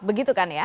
begitu kan ya